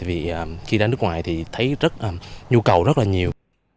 vì khi ra nước ngoài thì thấy rất nhu cầu rất là nhiều